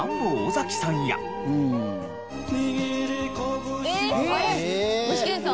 具志堅さん？」